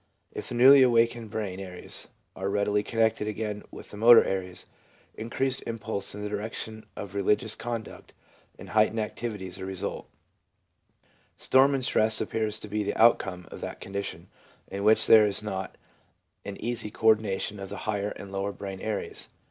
If the newly awakened brain areas are readily connected again with the motor areas, increased impulse in the direction of religious conduct and heightened activity is the result. Storm and stress appears to be the outcome of that condition in which there is not an easy co ordination of the higher and lower brain areas.